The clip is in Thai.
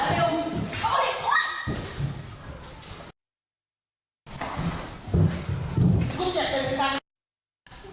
มีลูกอยากมีลูกหรอ